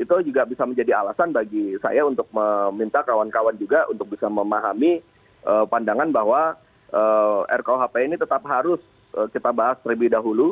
itu juga bisa menjadi alasan bagi saya untuk meminta kawan kawan juga untuk bisa memahami pandangan bahwa rkuhp ini tetap harus kita bahas terlebih dahulu